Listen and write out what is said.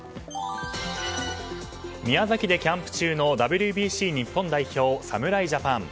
宮崎でキャンプ中のＷＢＣ日本代表、侍ジャパン。